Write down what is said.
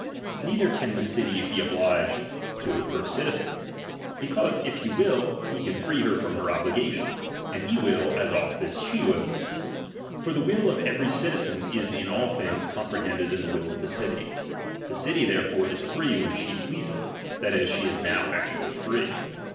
Neither can the city be obliged to her citizen ; because, if he will, he can free her from her obligation ; and he will, as oft as she wills ; for the will of every citizen is in all things compre hended in the will of the city ; the city therefore is free when she pleaseth, that is, she is now ac tually free.